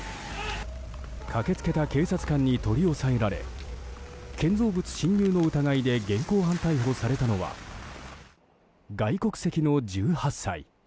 駆けつけた警察官に取り押さえられ建造物侵入の疑いで現行犯逮捕されたのは外国籍の１８歳。